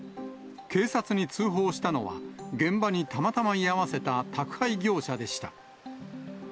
警察に通報したのは、現場にたまたま居合わせた宅配業者でした。